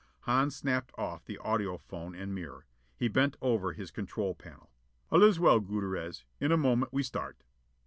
Hans snapped off the audiphone and mirror. He bent over his control panel. "All is well, Gutierrez. In a moment we start."